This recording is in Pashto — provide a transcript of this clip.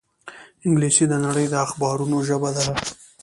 انګلیسي د نړۍ د اخبارونو ژبه ده